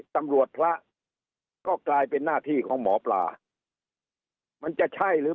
ตำรวจพระก็กลายเป็นหน้าที่ของหมอปลามันจะใช่หรือ